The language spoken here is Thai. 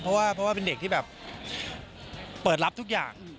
เพราะว่าเป็นเด็กที่เปิดรับทุกอย่าง